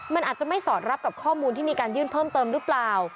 มันอาจจะไม่สอดรับกับข้อมูลที่มีการยื่นเพิ่มเติมหรือเปล่า